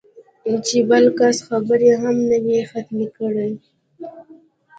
چې بل کس خبرې هم نه وي ختمې کړې